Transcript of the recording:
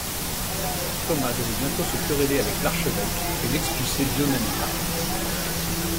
Thomas devait bientôt se quereller avec l’archevêque et l’expulser d’Ioannina.